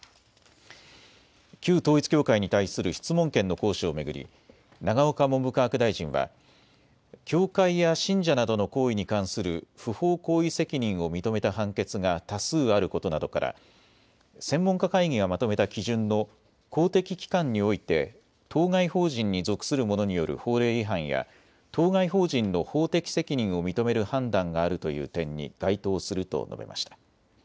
旧統一教会に対する質問権の行使を巡り永岡文部科学大臣は教会や信者などの行為に関する不法行為責任を認めた判決が多数あることなどから専門家会議がまとめた基準の公的機関において当該法人に属する者による法令違反や当該法人の法的責任を認める判断があるという点に該当すると述べました。